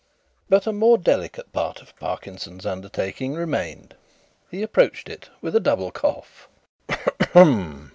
But a more delicate part of Parkinson's undertaking remained. He approached it with a double cough.